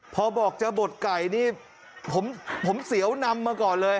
พอบอกจะบดไก่นี่ผมเสียวนำมาก่อนเลย